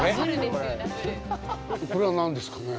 これは何ですかね。